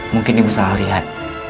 mungkin ibu salah liat